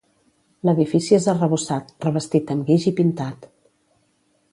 L'edifici és arrebossat, revestit amb guix i pintat.